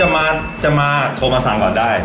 มาจะมาโทรมาสั่งก่อนได้